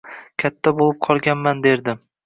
Katta bulib qolganman derdim